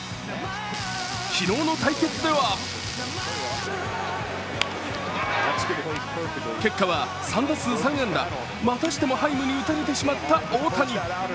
昨日の対決では結果は３打数３安打、またしてもハイムに打たれてしまった大谷。